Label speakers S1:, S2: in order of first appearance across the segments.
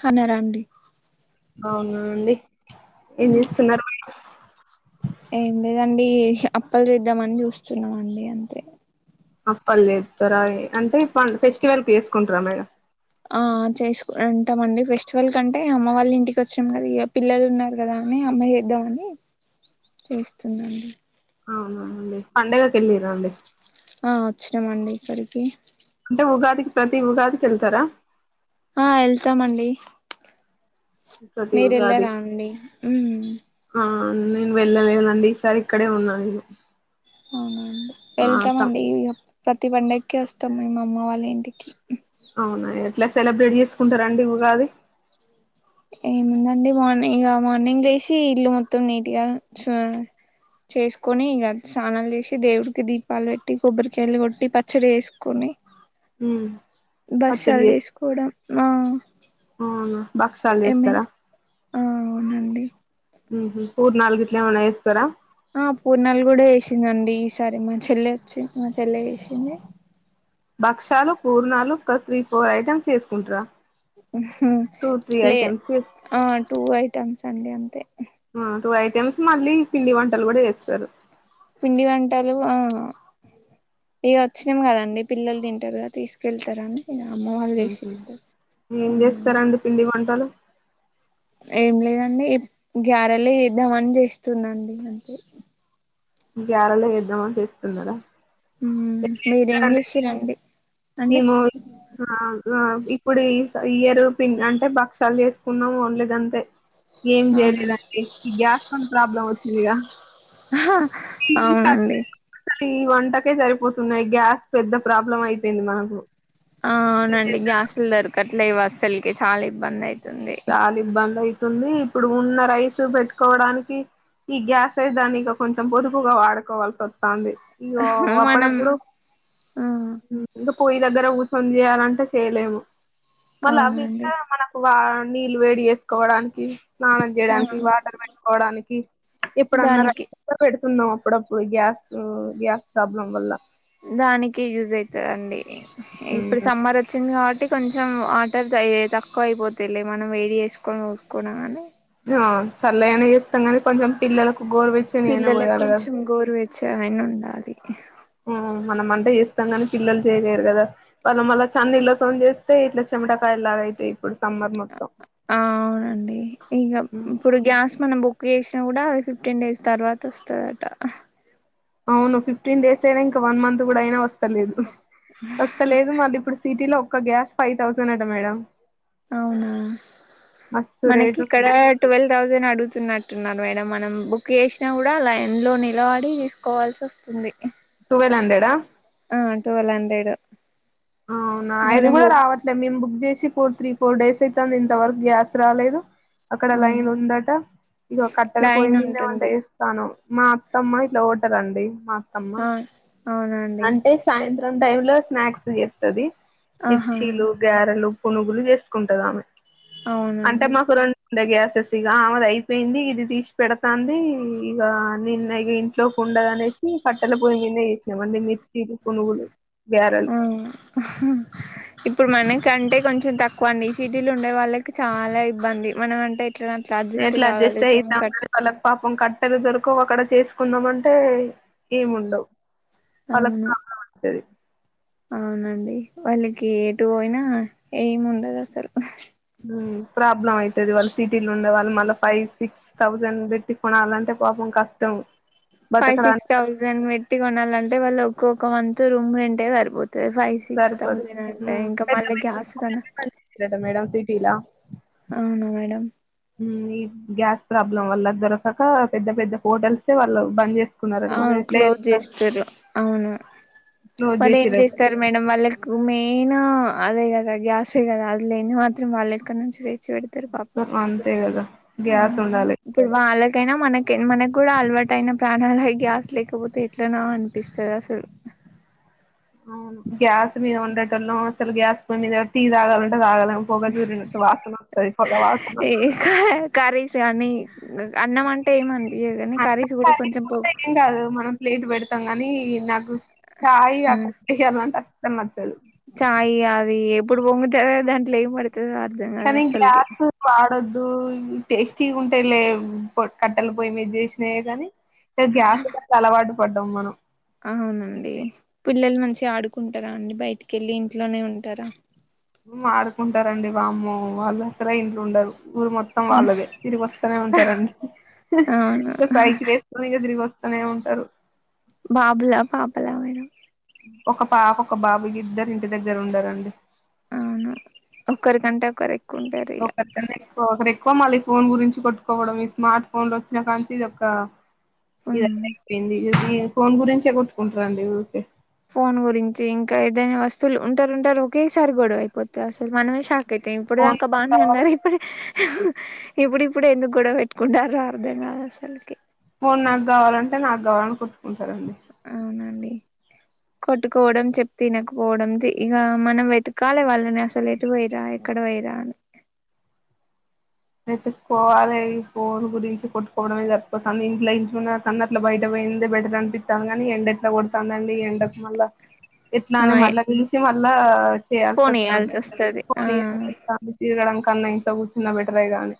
S1: హనరండి
S2: అవునా అండి ఏం చేస్తున్నారు మీరు
S1: ఏం లేదండి అప్పలు చేద్దామని చూస్తున్నామాండీ అంతే
S2: అప్పలు చెతారయి అంటే ప ఫెస్టివల్ కి వేసుకుంటారా మేడం
S1: ఆ చేసుకు అంటామండి ఫెస్టివల్ కంటే అమ్మ వాళ్ళ ఇంటికి వచ్చినాం కదా ఇగ పిల్లలు ఉన్నారు కదా అని అమ్మె చేద్దామని చేస్తున్నమండి
S2: అవునఅండి పండగకి వెళ్ళిరా అండి
S1: ఆ వచ్చినామండి ఇక్కడికి
S2: అంటే ఉగాదికి ప్రతి ఉగాదికెళ్తారా
S1: ఆ ఎళ్తామండి
S2: ప్రతి
S1: మీరు
S2: ఉగాది
S1: ఎళ్ళారా అండి
S2: ఆ నేను వెళ్ళలేనండి ఈసారి ఇక్కడే ఉన్నా అండి
S1: అవునండి వెళ్తామండి ఇ ఓ ప్రతి పండగకి వస్తాము మేం మా అమ్మ వాళ్ళ ఇంటికి
S2: అవునా ఎట్లా సెలబ్రేట్ చేసుకుంటారండి ఉగాది
S1: ఏముందండి మార్నింగ్ ఇగ మార్నింగ్ లేసి ఇల్లు మొత్తం నీట్గా చు చేసుకొని ఇగ స్నానాలు చేసి దేవుడికి దీపాలు పెట్టి కొబ్బరికాయలు కొట్టి పచ్చడి చెసుకొని
S2: హు
S1: బక్షలు చేసుకోవడం ఆ
S2: అవునా భక్షాలు చేస్తారా
S1: ఏమైనా ఆ అవునండి
S2: మ్ హు పూర్ణలు గిట్ల ఏమన్నా చేస్తర
S1: ఆ పూర్ణాలు కూడా వేసిందండి ఈసారి మా చెల్లె వచ్చి మా చెల్లె చెసింది
S2: భక్ష్యాలు పూర్ణాలు క త్రీ ఫోర్ ఐటెమ్స్ చేసుకుంట్రా
S1: లే ఆ టూ ఐటమ్స్ అండి అంతే
S2: స్ మళ్ళీ పిండి వంటలు కూడా చెస్తారు
S1: పిండి వంటలు ఆ ఇగ వచ్చినాం కదండి పిల్లలు తింటారుగ తీసుకెళ్తారు అని
S2: మ్ హు ఏం
S1: అవునండి
S2: చేస్తారండి పిండి వంటలు
S1: ఏం లేదండి గ్యారెలే చెద్దమని చేస్తుందండి అంతే
S2: గ్యారలే ఇద్దామని చెస్తున్నారా
S1: మ్ మీరేం చేసిరండి అండి
S2: మీము ఆ ఆ ఇప్పుడు ఈ ఇయరు పిం అంటే భక్షలు చేసుకున్నాం ఓన్లీ గంతే ఏం చేయలేదండి ఈ గ్యాస్ తోని ప్రాబ్లం వచ్ లిగా
S1: ఆ అవునండి
S2: అసలు ఈ వంటకే సరిపోతున్నాయి గ్యాస్ పెద్ద ప్రాబ్లం అయి పింది మాకు
S1: ఆ అవునండి గ్యాస్ ఇల్లరు కాట్లేవ్ అస్సకే చాలా ఇబ్బంది అయి
S2: చాలిబ్బందయి ఇప్పుడు ఉన్న రైస్ పెట్టుకోవడానికి ఈ గ్యాస్ అయితే దాన్ని ఇక కొంచెం పొదుపుగా వాడుకోవాల్సి వస్తది ఇయ్యో
S1: మనం
S2: అప్పుడప్పుడు
S1: ఆ
S2: ఇంకా పొయ్యి దగ్గర కు పనీచేయాలంటే చేయలేము మళ్ళ
S1: అవునండి
S2: అవికా మనకు వా నీళ్ళు వేడి చేసుకోవడానికి స్నానం
S1: ఆ
S2: చేయడానికి వాటర్ పెట్టుకోవడానికి ఇప్పుడున్న
S1: దానికి
S2: పె ఉన్నాం అప్పుడప్పుడు గ్యాస్ గ్యాస్ ప్రాబ్లం వల్ల
S1: దానికి యూజ అయితదండి ఇప్పుడు సమ్మర్ వచ్చింది కాబట్టి కొంచెం వాటర్ తక్కువ అయిపోతులే మనం వేడి చేసుకొని చూసుకోవడం కానీ
S2: చల్లయి అయినా చేస్తాం కానీ కొంచెం పిల్లలకు గోరు వెచ్చని అయిన పోయాలి కదా
S1: సెవెన్ ఉండది
S2: మనం అంటే చేస్తా మంగాని పిల్లలు చేయలేరు కదా వాళ్ళం మళ్ళ చల్ల నీళ్లతోని చేస్తే ఇట్లా చెమటకాయలు లాగా అయితాయి ఇప్పుడు సమ్మర్ మొత్తం
S1: ఆ అవునండి ఇక ఇప్పుడు గ్యాస్ మనం బుక్ చేసి కూడా ఫిఫ్టీన్ డేస్ తర్వాత వస్తదట
S2: అవును ఫిఫ్టీన్ డేస్ అయినా ఇంకా వన్ మంత్ కూడా అయినా వస్తలేదు వస్తలేదు మళ్ళీ ఇప్పుడు సిటీలో ఒక గ్యాస్ ఫైవ్ థౌజండ్ అంట మేడం
S1: అవునా
S2: మస్తు
S1: మనకి
S2: రేటు
S1: ఇక్కడ ట్వెల్వ్ థౌసండ్ అడుగుతున్నట్టున్నారు మేడం మనం బుక్ చేసినా కూడా లైన్ లో నిలబడి తీసుకోవాల్సి వస్తుంది
S2: హండ్రెడ్ ఆ
S1: ఆ ట్వల్ హండ్రెడ్
S2: అవునా అది కూడా
S1: మనము
S2: రావట్లేదు మేము బుక్ చేసి ఫోర్ త్రీ ఫోర్ డేస్ అయితుంది ఇంతవరకు గ్యాస్ రాలేదు అక్కడ లైన్
S1: అవును
S2: ఉందట ఇక కట్టెల పొయ్యి
S1: లైన్
S2: మీదనే వంట
S1: ఉంటుంది
S2: చేస్తాను మా అత్తమ్మ ఇట్ల ఓటరు అండి మా అమ్మ
S1: ఆ అవునండి
S2: అంటే సాయంత్రం టైమ్ లో స్నాక్స్ చేత్తది
S1: ఆహా
S2: మిర్చిలు గారెలు పునుగులు చేసుకుంటది ఆమె
S1: అవునండి
S2: ఇ గ్యాసెస్ ఇక ఆమెది అయిపోయింది ఇది తీసి పెడతంది ఇక నిన్న ఇక ఇంట్లోకి ఉండదు అనేసి కట్టెల పొంగింది ఏమన్నా తినని ఇంకా పునుగులు గారెలు
S1: ఉమ్ ఇప్పుడు మన కంటే కొంచెం తక్కువ అండి. సిటీలుండే వాళ్ళకి చాలా ఇబ్బంది. మనమంటే,
S2: ఎట్లా అడ్జెస్ట్ అయినా [unintelligible] పాపం కట్. పెద్దగా దొరకవు. అక్కడ చేసుకుందాం అంటే ఏముండవు. పలక్
S1: అవును
S2: లో ఉన్నమంటది.
S1: అవునండి. వాళ్ళకి ఎటు పోయినా ఏమి ఉండదసలు.
S2: ఊ ప్రాబ్లం అవుతది. వాళ్ళు సిటీలో ఉండే వాళ్ళు మళ్ళా ఫైవ్ సిక్స్ థౌజండ్ పెట్టి కొనాలంటే పాపం కష్టం.
S1: ఫైవ్ సిక్స్
S2: బతకడానికి
S1: థౌజండ్ బెట్టి కొనాలంటే వాళ్ళోక్. కోక మంత్ రూమ్ రెంటే సరిపోత్. కే ఫైవ్ సిక్స్
S2: సరిపోదు
S1: థౌసడ్ అంటే ఇంక
S2: పెద్ద
S1: మళ్ళి గ్యాస్ గాన.
S2: శీలా.
S1: అవునా మేడం.
S2: ఊ ఈ గ్యాస్ ప్రాబ్లం వల్ల దొరకక పెద్ద పెద్ద హోటల్సే వాళ్ళు బంద్ చేస్.
S1: అవును క్లోజ్ చేస్తరు. అవును,
S2: క్లోజ్
S1: మరి ఏం
S2: చేసిరట
S1: చేస్తరు మేడం వాళ్ళకు మెయినూ. అదే కదా గ్యాసే కదా అది లేని మాత్రం వాళ్ళెకడ్నుంచి చేచ్. చ్చి పెడతరు. పాపం,
S2: అంతే కదా
S1: ఊ
S2: గ్యాస్ ఉండాలి
S1: ఇప్పుడు వాళ్ళక్. కైన మనకెం మనకు కూడా అలవాటైన ప్రాణాలై. గ్యాస్ లేకపోతే ఎట్లనా అనిపిస్తది. అసలు.
S2: అవును గ్యాస్ మీద వందటంలో అసలు గ్యాస్ పొయి మీద టీ తాగాలంటే తాగలెం. పొగ దూరినట్టు వాసన తడిపొగ వాసన.
S1: తే అని అన్నం అంటే ఏముంద్.
S2: అట్లా పడేసుకుంటే ఏం కాదు మనం ప్లేట్ పెడతాం కాని నాకు సి. సాయి అక్క ఇక ఏమన్న అంటే అస్. సమ్మాచాలు.
S1: చాయ్ ఇగ అది ఎప్పుడు పొంగుతదా దాంట్లో ఏం పడుతుంది. కదా అర్ధంగాద్ అసల్కి.
S2: డొద్దు టేస్టీ ఉంటాయిలేవు, కొట్ కట్టెల పొయ్యి మీద చేసినాయే గానీ. టే గ్యాస్ తో చాలా అలవాటు. పడ్డం మనం.
S1: అవునండి. పిల్లలు మంచిగ ఆడుకుంటరా అండి బయటికి. కెళ్ళి ఇంట్లోనే ఉంటారా.
S2: ఊ ఆడుకుంటారండి వామ్మో వాళ్ళు అసల ఇంట్లో ఉండరు. ఊరు మొత్తం వాళ్ళదే, తిరిగి వస్తనే ఉంటారండి.
S1: అవును
S2: ఒక్ సైకిల్ వేసుకొని ఇక తిరిగొస్త్. అనే ఉంటారు.
S1: బాబులా పాపలా మేడం.
S2: ఒక పాప ఒక బాబు గిద్దరు ఇంటి దగ్గర ఉండరండి.
S1: అవును ఒకరి కంటే ఒకరు ఎక్కువ ఉంటారు ఇగ.
S2: ఒకరికన్నా ఎక్కువ ఒకరు ఎక్కువ మళ్ళీ ఫోన్ గురించి కొట్టుకోవడం ఈ స్మార్ట్ ఫోన్ లో వచ్చినా కాంచి ఇది ఒక్క ఇది
S1: హ్మ్.
S2: ఏంది ఇది ఫోన్ గురించే కొట్టుకుంటారండి ఊకే
S1: ఫోన్ గురించి ఇంకా ఏదైనా వస్తువులు ఉంటారుంటారు ఒకేసారి గొడవ అయిపోతే అసలు మనమే షాక్ అయితాం ఇప్పుడు
S2: ఫోన్
S1: దాక
S2: నాకు
S1: బాగానే
S2: కావాలి
S1: ఉన్నారు ఇప్పుడు ఇప్పుడుప్పుడు ఎందుకు గొడ పెట్టుకుంటారో అర్ధం కాదు అసలుకి
S2: ఫోన్ నాకు కావాలంటే నాకు కావాలని కుట్టుకుంటారండి
S1: అవునండి కొట్టుకోవడం చెప్తే వినకపోవడం ఇగ మనం వెతకాలి వాళ్ళని అసలు ఎటు పోయిరా ఎక్కడ పోయిరా అని.
S2: వెతుక్కోవాలే ఈ ఫోన్ గురించి కొట్టుకోవడమే జరిపోతాంది ఇంట్ల ఇంట్లో ఉన్నే కన్నా అట్లా బయట పోయిందే బెటర్ అనిపితాంది కాని ఈ ఎండ ఎట్లా కొడుతాంది అండి ఈ ఎండకు మళ్ళ ఎట్లా అని
S1: ఆ
S2: మళ్ళా పిలిసి మళ్ళా చేయాల్సి
S1: ఫోన్
S2: వస్తాంది
S1: వస్తది ఆ
S2: పోనిలే ప్రస్తుతానికి ఇక్కడ కన్నా ఇంట్లో కూర్చున్న బె వెయ్యి గానీ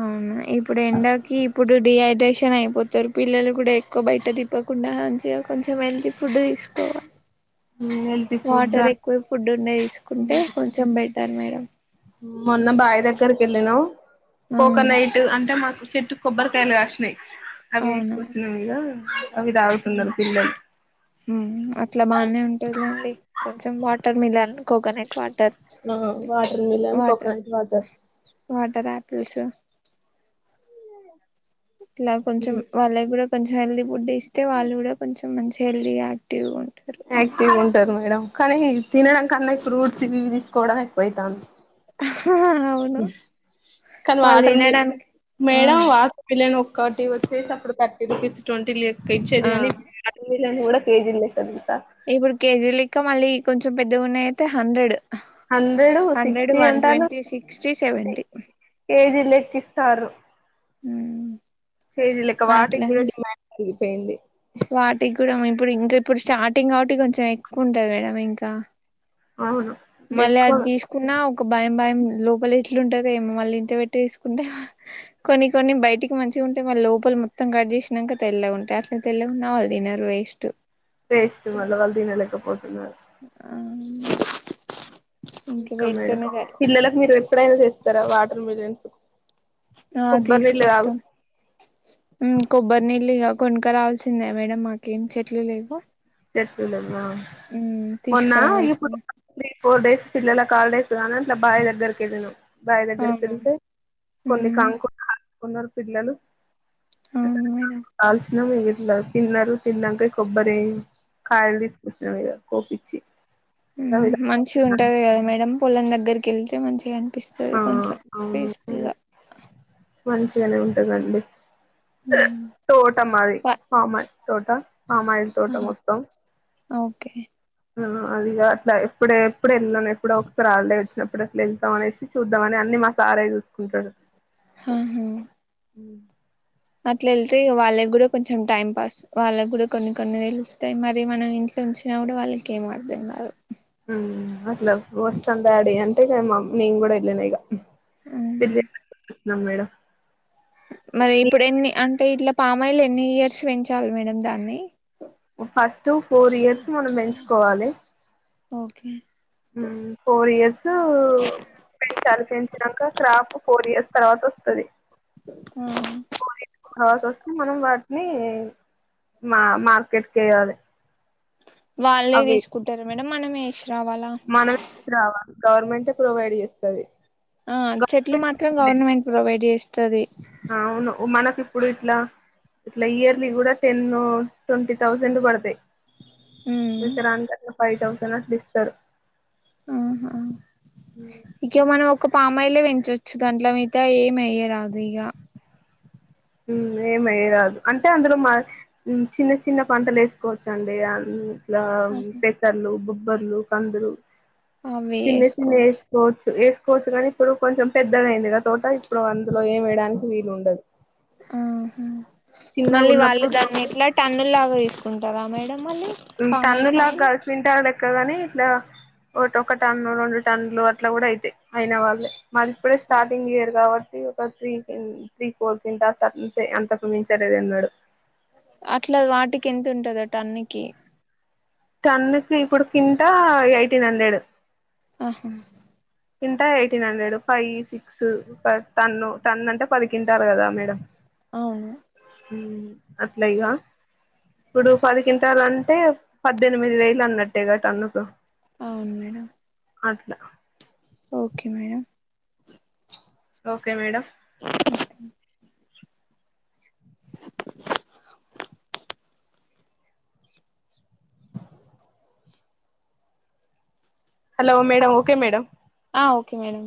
S1: అవునా ఇప్పుడు ఎండాకి ఇప్పుడు డిహైడ్రేషన్ అయిపోతారు పిల్లలు కూడా ఎక్కువ బయట తిప్పకుండా మంచిగా కొంచెం హెల్తీ ఫుడ్ తీసుకోవాలి.
S2: హ్మ్మ్ హెల్తీ ఫుడ్
S1: న్న తీసుకుంటే
S2: అ
S1: కొంచెం బెటర్ మేడం
S2: మొన్న బాయి దగ్గరికి వెళ్లినం
S1: ఆ
S2: కోకోనైట్ అంటే మాకు చెట్టు కొబ్బరికాయలు కాస్ అవి తీస్కుచ్చినం ఇగ అవి తాగుతున్నారు పిల్లలు
S1: హ్మ్మ్ అట్లా బానే ఉంటేలేండి కొంచెం వా [unintelligible]
S2: ఆ వాటర్ మలన్ కోకనట్ వాటర్
S1: తెలుస ఇలా కొంచెం వాళ్ళయి కూడా కొంచం హెల్తీ ఫుడ్ ఇస్తే వాళ్ళు కూడా కొంచెం మంచి గా హెల్తీ గా యాక్టివ్గా ఉన్
S2: యాక్టివ్ ఉంటారు మేడం కానీ తినడం కన్నా ఫ్రూట్స్ గివి తీసుకోవడం ఎక్కువయితాంది
S1: అవును
S2: కానీ
S1: వాళ్ళు
S2: వాటర్
S1: తినడానికి ఆ
S2: మేడం [unintelligible] థర్టీ వచ్చేసి అప్పుడు థర్టీ రూపీస్ ట్వంటీ లే ఇచ్చేది
S1: ఆ
S2: గాని నేను కూడా కేజిల్లేక్కనే తీస్
S1: ఇప్పుడు కేజీ లే ఇంకా మళ్ళీ కొంచెం పెద్దగా ఉన్నాయి అయితే hundred
S2: hundred
S1: hundred
S2: sixty
S1: one
S2: అంటాను
S1: ట్వంటీ సిక్స్టీ
S2: కె
S1: సెవెంటీ
S2: కేజీ లే కిిస్తారు
S1: ఉ
S2: కేజీ లక వాటికి కూడా డిమాడ్ ఉ న్ పోయింది
S1: ఇపుడేమో ఇప్పుడు ఇంకా ఇప్పుడు స్టార్టింగ్ గావటి కొంచెం ఎక్కువ ఉంటది గదా ఇంకా
S2: అవును
S1: మళ్
S2: ఇంకెక్కువ
S1: అది తీసుకున్నా ఒక భయం భయం లోపల ఎట్లు ఉంటందో ఏమో మళ్ళ ఇంత పెట్టి వేసుకుంటే కొన్ని కొన్ని బయటికి మంచిగా ఉంటే మళ్ళీ లోపల మొత్తం కట్ చేసినాక తెల్లగా ఉంటాయి అట్లా తెల్లగా ఉన్నా వాళ్ళు తి నర్ వేస్ట్
S2: వేస్ట్ మల వల్దీనలేక పోతున్నారు
S1: ఆ వును
S2: ఇంకా మేడం పిల్లలకు మీరు ఎప్పుడైనా చేస్తారా వాటర్ మిలన్స్
S1: ఆ
S2: కొబ్బరి నీళ్ళు తాగు
S1: తీసుకొస్తాం ఉమ్ కొబ్బరి నీల్ ఇగ కొనుక రావాల్సిందే మేడం మాకేం చెట్లు లేవు
S2: చెట్ లేవ్ ఆ
S1: ఉమ్
S2: మొన్న ఇప్పుడ్
S1: తీసుకురావాల్సిందే
S2: [inaudible] ఫోర్ డేస్ పిల్లాలకా ల్డేస్ కాను అట్లా బాయ్ దగ్గరికి వెళ్నామ్ బాయ్
S1: అవునా
S2: దగ్గరికేళ్తే కొన్ని
S1: ఉమ్
S2: కాంకు ఉన్నారు పిల్లలు
S1: అవును మేడం
S2: కాల్చనామ్ ఇంగ ఇగ తిన్నారు తిన్నాంక కొబ్బరీ ఏ కాయల్ తీసుకొచ్చినగద కోపి చ్చి
S1: ఉమ్ మంచి గ ఉంటది కదా మేడం పొలం దగ్గరికి వెళ్తే మంచిగానీ
S2: ఆ
S1: పిస్తది కొంచెం పీ
S2: అవును
S1: స్ఫుల్గా
S2: మంచిగానే ఉంటుందండి తోట మాది ఫామస్ తో టా ఆమయిల్ తోట మొత్తం
S1: ఓకే
S2: అదిగా అట్లా ఎప్పుడ ఎప్పుడు వెళ్తాను ఎప్పుడో ఒకసారి హాల్ డే వచ్చినప్పుడు అట్లా వెళ్తాం అనేసి చూద్దామ అని అన్ని మా సారే చూసుకుంటాడు
S1: ఆహా అట్లా వెళ్తే వాళ్ళకి కూడా కొంచెం టైం పాస్ వాళ్ళకి కూడా కొన్ని కొన్ని తెలుస్తాయి మరి మనం ఇంట్లో ఉంచినా కూడా వాళ్ళకి ఏం అంతేంగా దు
S2: మట్ల వస్తాం డాడీ అంటేగామా నేను కూడా వెళ్ళిన ఇక ఇడ్లీ క్ ఆ మేడం
S1: మరి ఇప్పుడు ఎన్ని అంటే ఇట్లా పామాయిలు ఎన్ని ఇయర్స్ పెంచాలి మేడం దాన్ని
S2: ఫస్ట్ ఫోర్ ఇయర్స్ మనం పెంచుకోవాలి
S1: ఓకే
S2: ఫోర్ ఇయర్స్ పెంచాలి పెంచినాక క్రాఫ ఫోర్ ఇయర్స్ తర్వాత వస్తది
S1: ఆ
S2: తర్వాత వస్తే మనం వాటిని మా మార్కెట్కి వేయాలి
S1: వాళ్ళే తీసుకుంటారు మేడం మనమే రావాలా
S2: గవర్నమెంట్ ప్రొవైడ్ చేస్తది
S1: ఆ చెట్లు మాత్రం గవర్నమెంట్ ప్రొవైడ్ చేస్త తది
S2: అవును మనకి ఇప్పుడు ఇట్లా ఇట్లా ఇయర్లీ కూడా టెన్ ట్వంటీ థౌసండ్ పడతాయి ఇతరాంత ఫైవ్ థౌసండ్ స్తారు
S1: ఆహ ఇవ మ [inaudible] ఒక పామాయిలే పెంచవచ్చు దాంట్లో మీగత ఏమి వెయ్యరా ఇంకా
S2: ఏమయ్యరాదు అంటే అందులో మా చిన్న చిన్న పంటలు వేసుకోవచ్చండి అ ఫ చల్లు [inaudible] బర్లు కందులు
S1: అవి
S2: చిన్ని చిన్నియి
S1: వేసుకోవచ్చు
S2: వేసుకోవచ్చు కోవచ్చు కాని ఇప్పుడు కొంచెం పెద్దదయింది గా తోట ఇప్పుడు అందులో ఏం వేయడానికి వీలు ఉండదు
S1: ఆహా
S2: చిన్నగా
S1: మళ్ళీ వాళ్ళు
S2: ఉన్నప్పుడు
S1: దాన్ని ఇట్లా టన్ను లాగా వేసుకుంటారు రామేడం
S2: టన్నులా క్యింటల్ లెక్క ని ఇట్లా ఒకక్క టన్ను రెండు టన్లు అట్లా కూడా అయితాయి అయిన వాళ్ళే మాది ఇప్పుడే స్టార్టింగ్ ఇయర్ కాబట్టి ఒక త్రీ కి త్రీ ఫోర్ కింటాలు తగ్గుతాయి అంతకు మించి ఎన్నాడు
S1: అట్లా వాటికి ఎంత ఉంటంది అట టన్నుకి
S2: టన్నుకి ఇప్పుడు కింట ఎయిటీన్ హండ్రెడ్
S1: ఆహా
S2: కింట eighteen hundred five six ton ton అంటే పది కింటాలుి కదా మేడం
S1: అవును
S2: అట్లా ఇగా ఇప్పుడు పది క్వింటాళ్లు అంటే పద్దెనిమిది వేలు అన్నట్టే గ టన్నుకు
S1: అవును మేడం
S2: అట్లా
S1: okay madam
S2: okay madam hello madam okay madam
S1: ఆ ఓకే మేడం